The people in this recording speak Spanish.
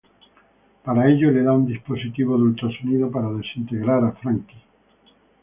Para ello le da un dispositivo de ultrasonido para desintegrar a Franky.